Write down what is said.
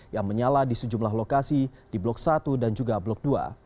yang menyala di sejumlah lokasi di blok satu dan juga blok dua